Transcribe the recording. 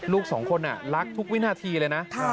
ลูกสองคนรักทุกวินาทีเลยนะ